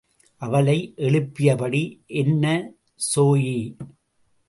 அவளை எழுப்பியபடி, என்ன ஸோயி?